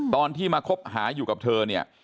ตอนที่มาคบหาอยู่กับเธอเนี่ย